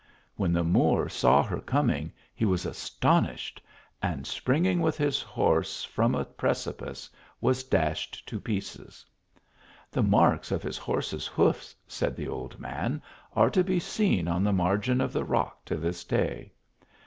When the Moor saw her coming, he was astonished, and springing with his horse from a precipice, was dashed to pieces. The marks of his horse s hoofs, said the old man, are to be seen on the margin of the rock to this day.